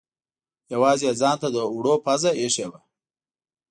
یوازې یې ځانته د اوړو پزه اېښې وه.